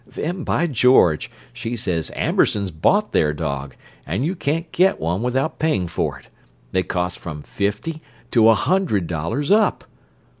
Then, by George! she says Ambersons bought their dog, and you can't get one without paying for it: they cost from fifty to a hundred dollars up!